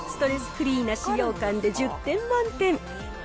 フリーな使用感で１０点満点。